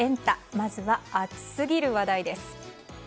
まずは、熱すぎる話題です。